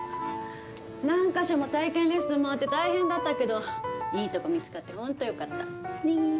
何か所も体験レッスン回って大変だったけどいいとこ見つかって本当良かった。